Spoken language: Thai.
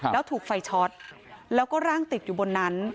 แล้วถูกไฟช็อตแล้วก็ร่างติดอยู่บนนั้น